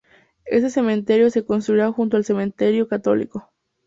Este Cementerio se construirá junto al Cementerio Católico.